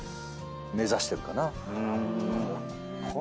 目指してるかな。